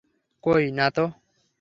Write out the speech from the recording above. কই, নাতো।